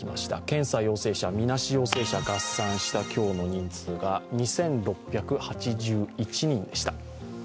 検査陽性者、みなし陽性者合算した今日の人数が２６８１人でした。